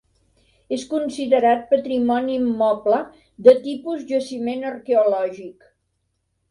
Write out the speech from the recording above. És considerat patrimoni immoble de tipus jaciment arqueològic.